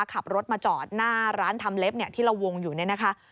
ขับรถมาจอดหน้าร้านทำเล็บที่เราวงอยู่เนี่ยนะคะ